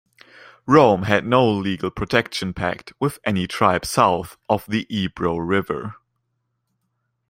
Rome had no legal protection pact with any tribe south of the Ebro River.